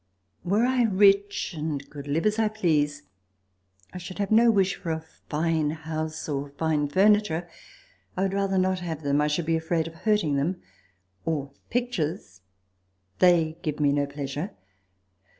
Were I rich, and could live as I please, I should have no wish for a fine house or fine furniture (I would rather not have them, I should be afraid of hurting them), or pictures they give me no pleasure.